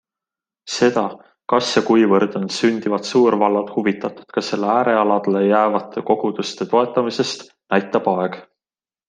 Seda, kas ja kuivõrd on sündivad suurvallad huvitatud ka selle äärealadele jäävate koguduste toetamisest, näitab aeg.